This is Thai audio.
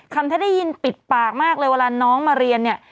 คำถ้าได้ยินปิดปากมากเลยเวลาน้องมาเรียนเนี่ย